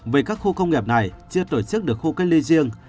về các khu công nghiệp này chưa tổ chức được khu cách ly riêng